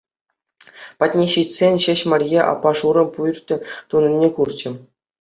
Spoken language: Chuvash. Патне ҫитсен ҫеҫ Марье аппа шурӑ пӳрт тунине курчӗ.